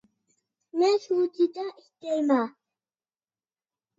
مەن سۇشىدا ئىشلەيمەن